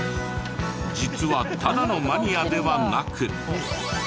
実はただのマニアではなく。